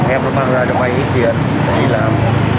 em đã mang ra cho anh ít tiền để đi làm